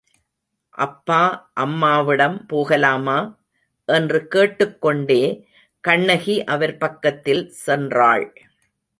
அப்பா, அம்மாவிடம் போகலாமா? என்று கேட்டுக் கொண்டே கண்ணகி அவர் பக்கத்தில் சென்றாள்.